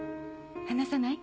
離さない？